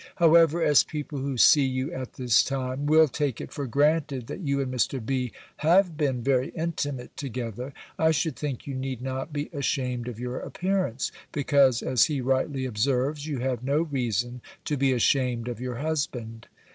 However, as people who see you at this time, will take it for granted that you and Mr. B. have been very intimate together, I should think you need not be ashamed of your appearance, because, as he rightly observes, you have no reason to be ashamed of your husband.